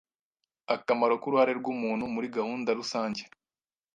akamaro k'uruhare rw'umuntu muri gahunda rusange.